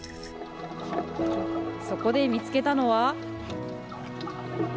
そこで見つけたのは。